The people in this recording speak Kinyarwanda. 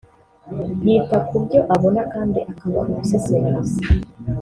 yita ku byo abona kandi akaba umusesenguzi